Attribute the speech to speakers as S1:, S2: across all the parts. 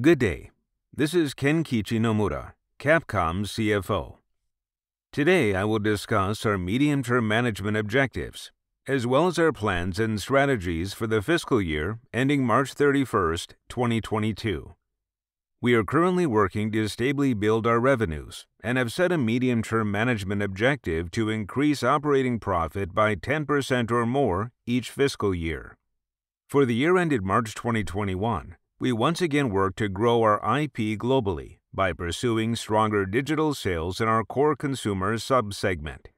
S1: Good day. This is Kenkichi Nomura, Capcom's CFO. Today, I will discuss our medium-term management objectives, as well as our plans and strategies for the fiscal year ending March 31st, 2022. We are currently working to stably build our revenues and have set a medium-term management objective to increase operating profit by 10% or more each fiscal year. For the year ended March 2021, we once again worked to grow our IP globally by pursuing stronger digital sales in our core consumer sub-segment.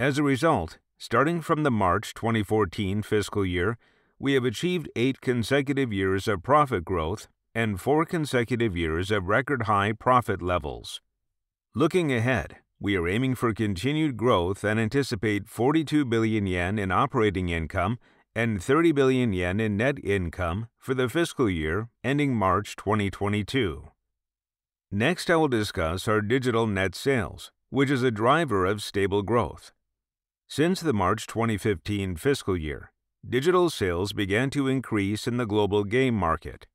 S1: As a result, starting from the March 2014 fiscal year, we have achieved eight consecutive years of profit growth and four consecutive years of record-high profit levels. Looking ahead, we are aiming for continued growth and anticipate 42 billion yen in operating income and 30 billion yen in net income for the fiscal year ending March 2022. Next, I will discuss our digital net sales, which is a driver of stable growth. Since the March 2015 fiscal year, digital sales began to increase in the global game market.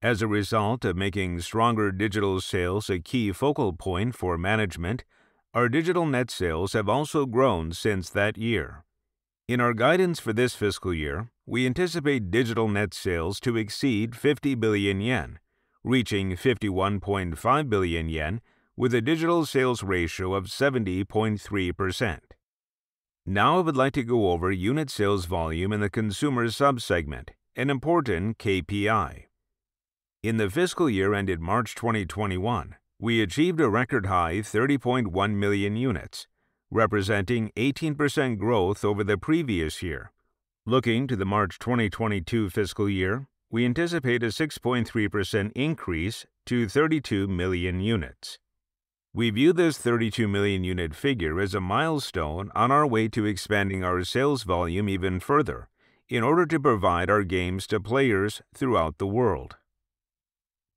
S1: As a result of making stronger digital sales a key focal point for management, our digital net sales have also grown since that year. In our guidance for this fiscal year, we anticipate digital net sales to exceed 50 billion yen, reaching 51.5 billion yen with a digital sales ratio of 70.3%. Now, I would like to go over unit sales volume in the consumer sub-segment, an important KPI. In the fiscal year ended March 2021, we achieved a record high 30.1 million units, representing 18% growth over the previous year. Looking to the March 2022 fiscal year, we anticipate a 6.3% increase to 32 million units. We view this 32 million unit figure as a milestone on our way to expanding our sales volume even further in order to provide our games to players throughout the world.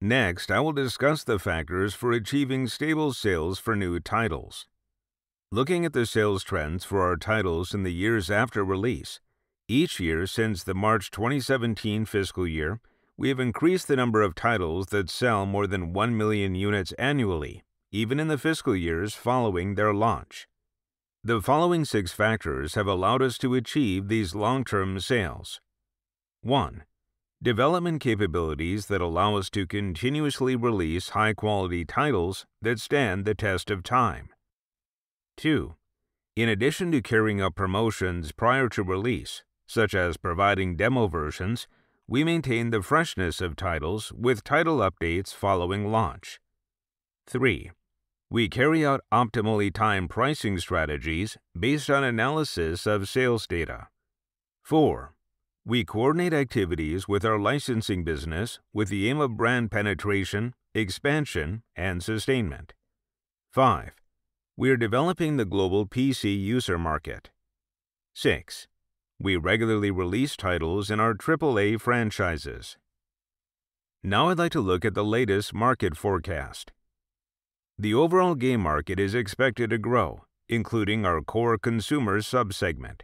S1: Next, I will discuss the factors for achieving stable sales for new titles. Looking at the sales trends for our titles in the years after release, each year since the March 2017 fiscal year, we have increased the number of titles that sell more than 1 million units annually, even in the fiscal years following their launch. The following six factors have allowed us to achieve these long-term sales. One, development capabilities that allow us to continuously release high-quality titles that stand the test of time. Two, in addition to carrying out promotions prior to release, such as providing demo versions, we maintain the freshness of titles with title updates following launch. Three, we carry out optimally timed pricing strategies based on analysis of sales data. Four, we coordinate activities with our licensing business with the aim of brand penetration, expansion, and sustainment. Five, we are developing the global PC user market. Six, we regularly release titles in our AAA franchises. I'd like to look at the latest market forecast. The overall game market is expected to grow, including our core consumer sub-segment.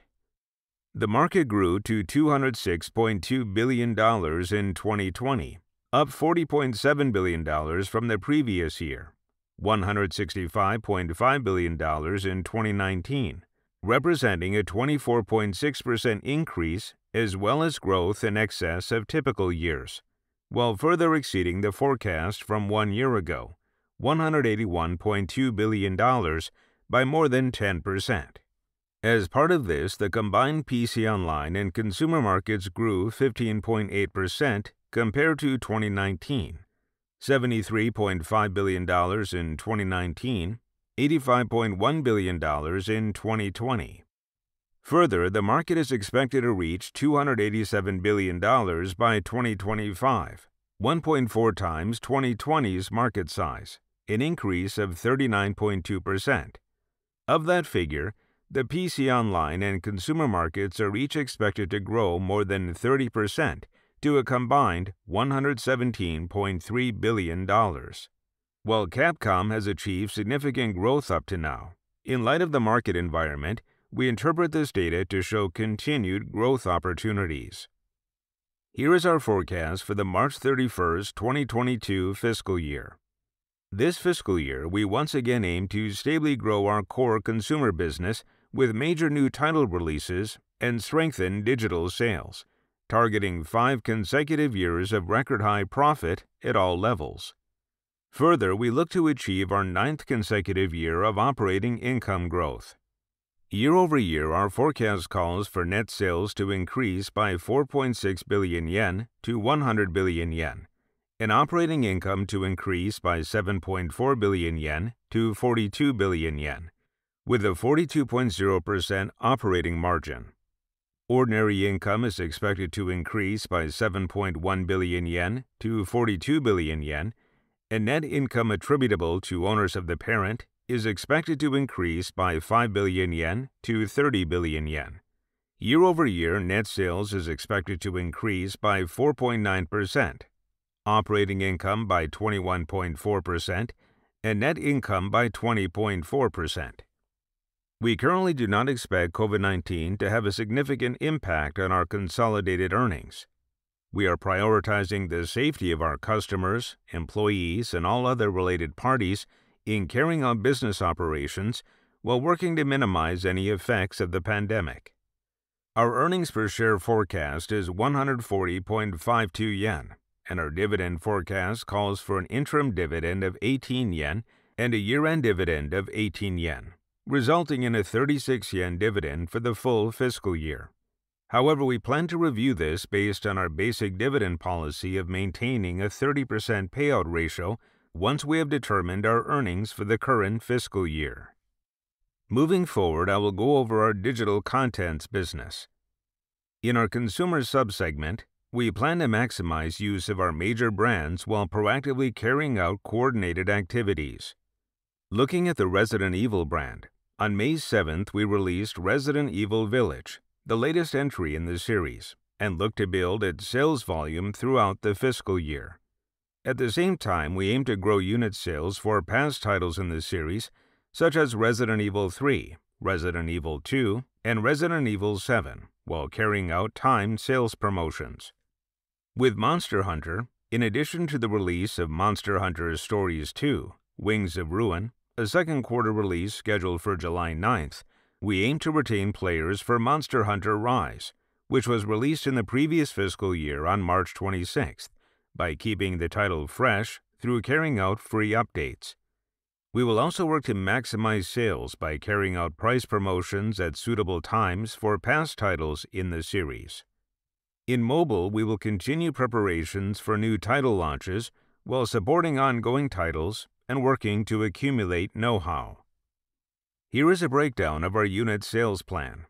S1: The market grew to $206.2 billion in 2020, up $40.7 billion from the previous year, $165.5 billion in 2019, representing a 24.6% increase as well as growth in excess of typical years, while further exceeding the forecast from one year ago, $181.2 billion, by more than 10%. As part of this, the combined PC online and consumer markets grew 15.8% compared to 2019. $73.5 billion in 2019, $85.1 billion in 2020. The market is expected to reach $287 billion by 2025, 1.4x 2020's market size, an increase of 39.2%. Of that figure, the PC online and consumer markets are each expected to grow more than 30% to a combined $117.3 billion. While Capcom has achieved significant growth up to now, in light of the market environment, we interpret this data to show continued growth opportunities. Here is our forecast for the March 31st, 2022 fiscal year. This fiscal year, we once again aim to stably grow our core consumer business with major new title releases and strengthen digital sales, targeting five consecutive years of record-high profit at all levels. We look to achieve our ninth consecutive year of operating income growth. Year-over-year, our forecast calls for net sales to increase by 4.6 billion yen to 100 billion yen and operating income to increase by 7.4 billion yen to 42 billion yen, with a 42.0% operating margin. Ordinary income is expected to increase by 7.1 billion yen to 42 billion yen, and net income attributable to owners of the parent is expected to increase by 5 billion yen to 30 billion yen. Year-over-year, net sales is expected to increase by 4.9%, operating income by 21.4%, and net income by 20.4%. We currently do not expect COVID-19 to have a significant impact on our consolidated earnings. We are prioritizing the safety of our customers, employees, and all other related parties in carrying out business operations while working to minimize any effects of the pandemic. Our earnings per share forecast is 140.52 yen, and our dividend forecast calls for an interim dividend of 18 yen and a year-end dividend of 18 yen, resulting in a 36 yen dividend for the full fiscal year. However, we plan to review this based on our basic dividend policy of maintaining a 30% payout ratio once we have determined our earnings for the current fiscal year. Moving forward, I will go over our digital contents business. In our consumer sub-segment, we plan to maximize use of our major brands while proactively carrying out coordinated activities. Looking at the Resident Evil brand, on May 7th, we released Resident Evil Village, the latest entry in the series, and look to build its sales volume throughout the fiscal year. At the same time, we aim to grow unit sales for past titles in the series, such as Resident Evil 3, Resident Evil 2, and Resident Evil 7, while carrying out timed sales promotions. With Monster Hunter, in addition to the release of Monster Hunter Stories 2: Wings of Ruin, a second quarter release scheduled for July 9th, we aim to retain players for Monster Hunter Rise, which was released in the previous fiscal year on March 26th, by keeping the title fresh through carrying out free updates. We will also work to maximize sales by carrying out price promotions at suitable times for past titles in the series. In mobile, we will continue preparations for new title launches while supporting ongoing titles and working to accumulate know-how. Here is a breakdown of our unit sales plan.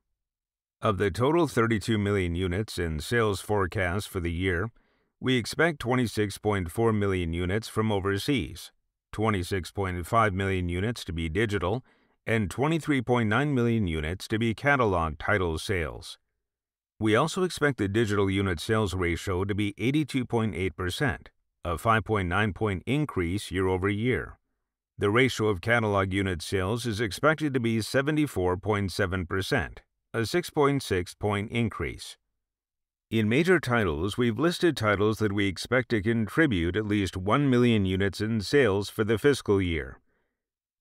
S1: Of the total 32 million units in sales forecast for the year, we expect 26.4 million units from overseas, 26.5 million units to be digital, and 23.9 million units to be catalog title sales. We also expect the digital unit sales ratio to be 82.8%, a 5.9-point increase year-over-year. The ratio of catalog unit sales is expected to be 74.7%, a 6.6-point increase. In major titles, we've listed titles that we expect to contribute at least 1 million units in sales for the fiscal year.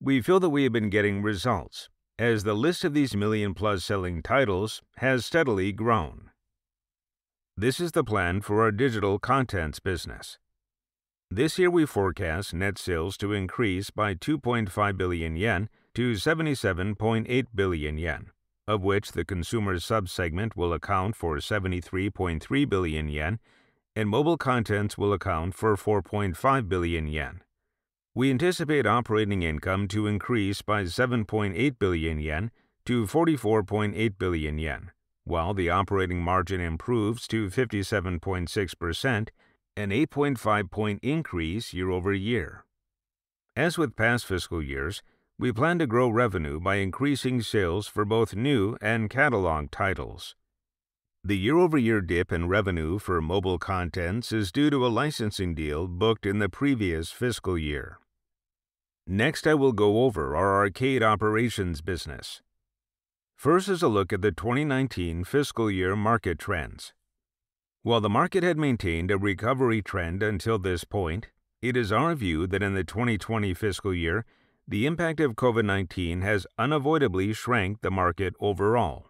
S1: We feel that we have been getting results as the list of these million-plus-selling titles has steadily grown. This is the plan for our digital contents business. This year, we forecast net sales to increase by 2.5 billion yen to 77.8 billion yen, of which the consumer sub-segment will account for 73.3 billion yen, and mobile contents will account for 4.5 billion yen. We anticipate operating income to increase by 7.8 billion yen to 44.8 billion yen, while the operating margin improves to 57.6%, an 8.5-point increase year-over-year. As with past fiscal years, we plan to grow revenue by increasing sales for both new and catalog titles. The year-over-year dip in revenue for mobile contents is due to a licensing deal booked in the previous fiscal year. Next, I will go over our arcade operations business. First is a look at the 2019 fiscal year market trends. While the market had maintained a recovery trend until this point, it is our view that in the 2020 fiscal year, the impact of COVID-19 has unavoidably shrank the market overall.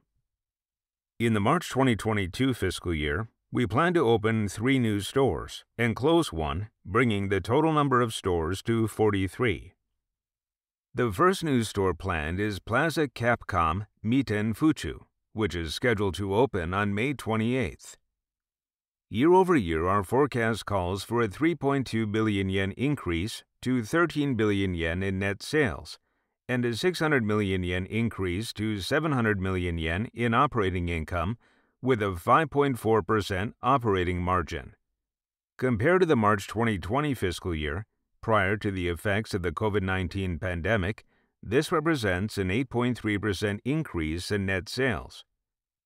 S1: In the March 2022 fiscal year, we plan to open three new stores and close one, bringing the total number of stores to 43. The first new store planned is Plaza Capcom Mitten Fuchu, which is scheduled to open on May 28th. Year-over-year, our forecast calls for a 3.2 billion yen increase to 13 billion yen in net sales and a 600 million yen increase to 700 million yen in operating income with a 5.4% operating margin. Compared to the March 2020 fiscal year, prior to the effects of the COVID-19 pandemic, this represents an 8.3% increase in net sales.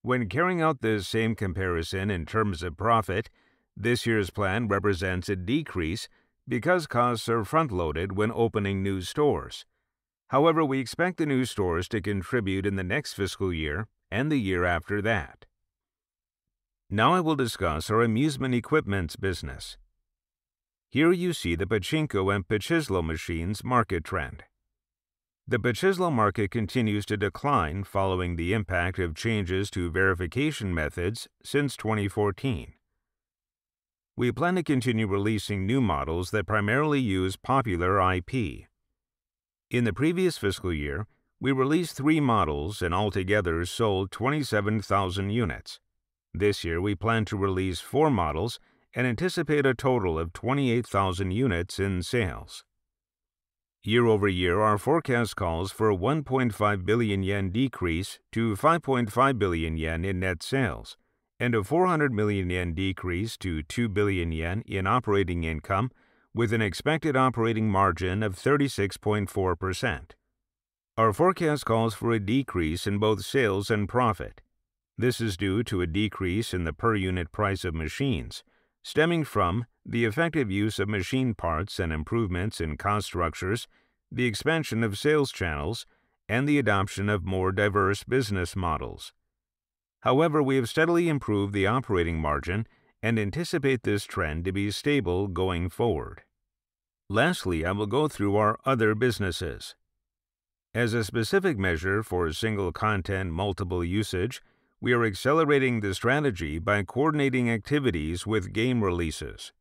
S1: When carrying out the same comparison in terms of profit, this year's plan represents a decrease because costs are front-loaded when opening new stores. We expect the new stores to contribute in the next fiscal year and the year after that. I will discuss our amusement equipments business. Here, you see the pachinko and pachislot machines market trend. The pachislot market continues to decline following the impact of changes to verification methods since 2014. We plan to continue releasing new models that primarily use popular IP. In the previous fiscal year, we released three models and altogether sold 27,000 units. This year, we plan to release four models and anticipate a total of 28,000 units in sales. Year-over-year, our forecast calls for a 1.5 billion yen decrease to 5.5 billion yen in net sales and a 400 million yen decrease to 2 billion yen in operating income with an expected operating margin of 36.4%. Our forecast calls for a decrease in both sales and profit. This is due to a decrease in the per unit price of machines stemming from the effective use of machine parts and improvements in cost structures, the expansion of sales channels, and the adoption of more diverse business models. However, we have steadily improved the operating margin and anticipate this trend to be stable going forward. Lastly, I will go through our other businesses. As a specific measure for Single Content Multiple Usage, we are accelerating the strategy by coordinating activities with game releases.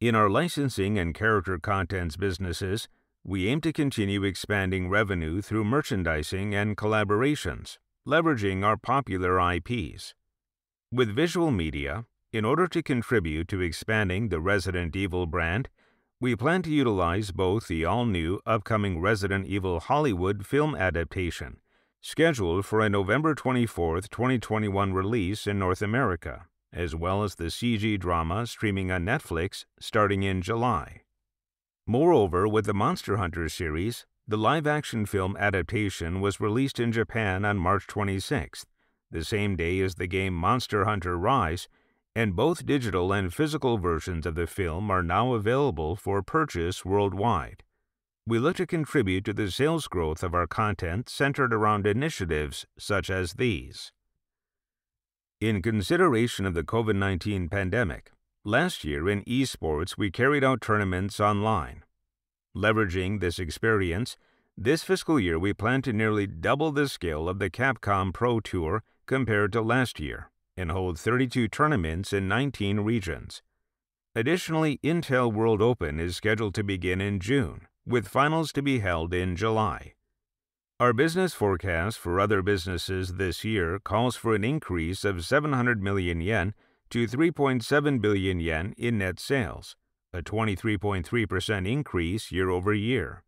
S1: In our licensing and character contents businesses, we aim to continue expanding revenue through merchandising and collaborations, leveraging our popular IPs. With visual media, in order to contribute to expanding the Resident Evil brand, we plan to utilize both the all-new upcoming Resident Evil Hollywood film adaptation scheduled for a November 24th, 2021, release in North America, as well as the CG drama streaming on Netflix starting in July. With the Monster Hunter series, the live-action film adaptation was released in Japan on March 26th, the same day as the game Monster Hunter Rise, and both digital and physical versions of the film are now available for purchase worldwide. We look to contribute to the sales growth of our content centered around initiatives such as these. In consideration of the COVID-19 pandemic, last year in esports, we carried out tournaments online. Leveraging this experience, this fiscal year, we plan to nearly double the scale of the Capcom Pro Tour compared to last year and hold 32 tournaments in 19 regions. Intel World Open is scheduled to begin in June, with finals to be held in July. Our business forecast for other businesses this year calls for an increase of 700 million yen to 3.7 billion yen in net sales, a 23.3% increase year-over-year.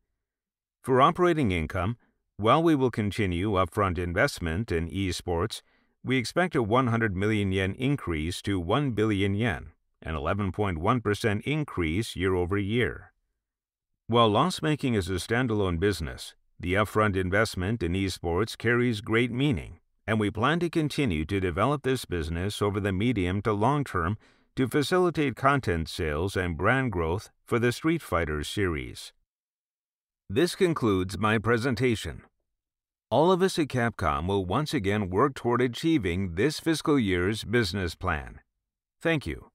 S1: For operating income, while we will continue upfront investment in esports, we expect a 100 million yen increase to 1 billion yen, an 11.1% increase year-over-year. While loss-making is a standalone business, the upfront investment in esports carries great meaning, and we plan to continue to develop this business over the medium to long term to facilitate content sales and brand growth for the Street Fighter series. This concludes my presentation. All of us at Capcom will once again work toward achieving this fiscal year's business plan. Thank you.